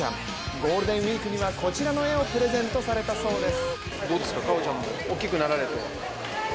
ゴールデンウイークにはこちらの絵をプレゼントされたそうです。